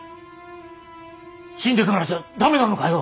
死んでからじゃダメなのかよ？